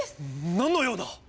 何の用だ！？